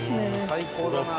最高だな。